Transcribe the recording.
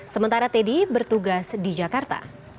sementara teddy bertugas di jakarta